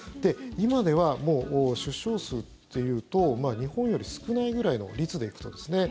今ではもう、出生数というと日本より少ないくらいの率でいくとですね。